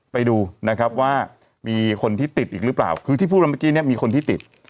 ไปดูนะครับว่ามีคนที่ติดอีกหรือเปล่าคือที่พูดมาเมื่อกี้เนี่ยมีคนที่ติด